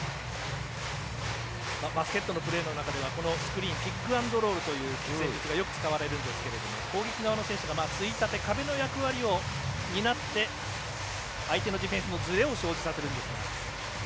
バスケットのプレーの中ではスクリーンピックアンドロールという戦術がよく使われますが攻撃側の選手がついたて壁の役割を担って相手のディフェンスのずれを生じさせるんですが。